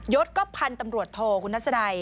ศก็พันธุ์ตำรวจโทคุณทัศนัย